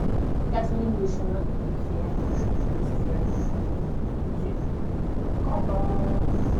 Quatre lignes de chemins de fer desservent les communes du canton.